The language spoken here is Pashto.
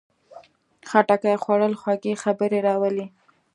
خټکی خوړل خوږې خبرې راولي.